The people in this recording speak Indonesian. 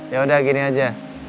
yaudah gini aja